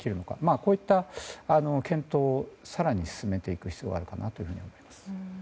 こういった検討を更に進めていく必要があると思います。